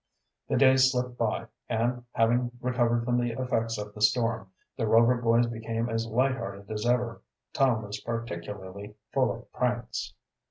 The days slipped by, and, having recovered from the effects of the storm, the Rover boys became as light hearted as ever. Tom was particularly full of pranks.